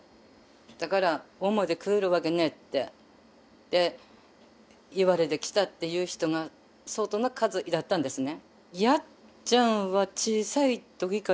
だから大間で食えるわけねえって言われてきたっていう人が相当な数いだったんですね。